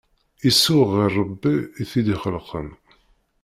Isuɣ ɣer Rebbi i t-id-ixelqen.